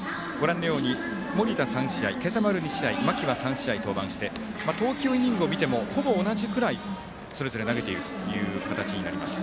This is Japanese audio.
盛田、３試合今朝丸、２試合間木は３試合登板して投球イニングを見てもほぼ同じくらい、それぞれ投げているという形になります。